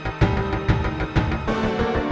aku harus jaga perasaan ibu